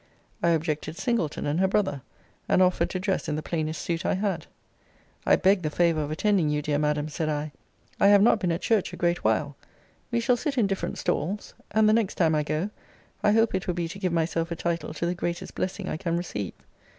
I objected Singleton and her brother, and offered to dress in the plainest suit I had. I beg the favour of attending you, dear Madam, said I. I have not been at church a great while; we shall sit in different stalls, and the next time I go, I hope it will be to give myself a title to the greatest blessing I can receive.